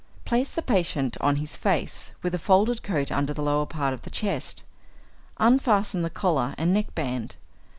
_ Place the patient on his face, with a folded coat under the lower part of the chest. Unfasten the collar and neckband.